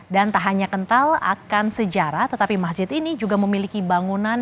dan tak hanya kental akan sejarah tetapi masjid ini juga memiliki bangunan